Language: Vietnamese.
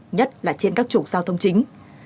nhất là trên các chủng giao thông chính